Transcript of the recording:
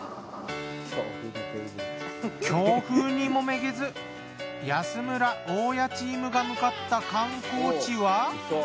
強風にもめげず安村・大家チームが向かった観光地は。